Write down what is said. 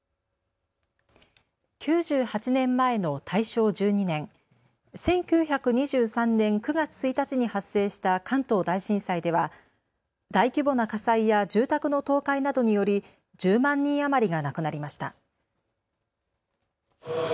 ９８年前の大正１２年、１９２３年９月１日に発生した関東大震災では大規模な火災や住宅の倒壊などにより１０万人余りが亡くなりました。